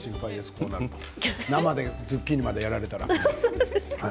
このあと生でズッキーニでやられたら。